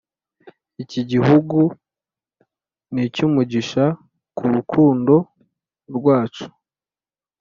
iki gihugu n’icyumugisha kurukundo rwacu